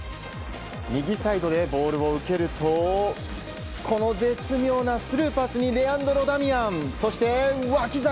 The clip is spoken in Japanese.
右サイドでボールを受けるとこの絶妙なスルーパスにレアンドロ・ダミアンそして、脇坂！